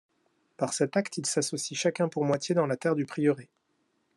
Par cet acte ils s'associent chacun pour moitié dans la terre du prieuré.